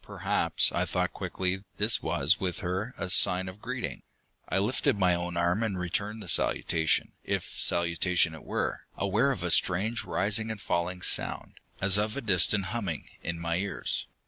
Perhaps, I thought quickly, this was, with her, a sign of greeting. I lifted my own arm and returned the salutation, if salutation it were, aware of a strange rising and falling sound, as of a distant humming, in my ears.